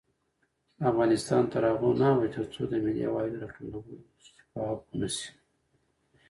افغانستان تر هغو نه ابادیږي، ترڅو د ملي عوایدو راټولول شفاف نشي.